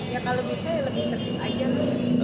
ya kalau bisa lebih tertib aja lah